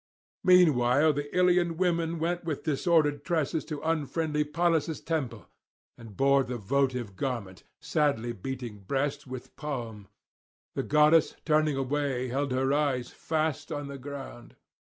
Meanwhile the Ilian women went with disordered tresses to unfriendly Pallas' temple, and bore the votive garment, sadly beating breast with palm: the goddess turning away held her eyes fast on the ground.